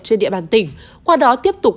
trên địa bàn tỉnh qua đó tiếp tục